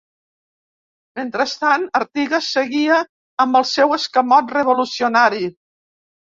Mentrestant, Artigas seguia amb el seu escamot revolucionari.